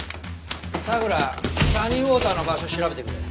桜サニーウォーターの場所調べてくれ。